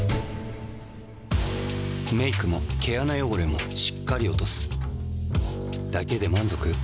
メイクも毛穴汚れもしっかり落とすだけで満足？